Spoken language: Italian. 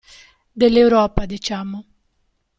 Dell'Europa, diciamo.